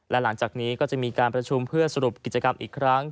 และหลังจากนี้ก็จะมีการประชุมเพื่อสรุปกิจกรรมอีกครั้ง